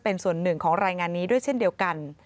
เป็นส่วนหนึ่งของรายงานนี้ด้วยเช่นเดียวกัน